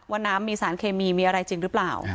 น้ำมีสารเคมีมีอะไรจริงหรือเปล่า